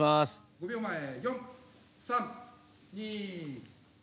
５秒前４３２。